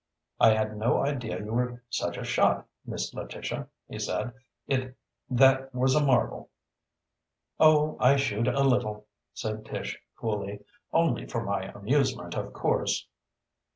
"I had no idea you were such a shot, Miss Letitia," he said. "It that was a marvel." "Oh, I shoot a little," said Tish coolly. "Only for my own amusement, of course."